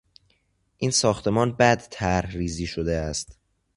این ساختمان بدطرحریزی شده است.